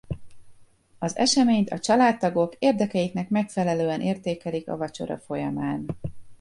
Az eseményt a családtagok érdekeiknek megfelelően értékelik a vacsora folyamán.